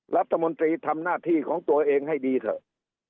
รัฐมนตรีทำหน้าที่ของตัวเองให้ดีเถอะ